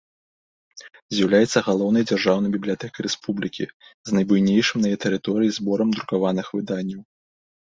З'яўляецца галоўнай дзяржаўнай бібліятэкай рэспублікі, з найбуйнейшым на яе тэрыторыі зборам друкаваных выданняў.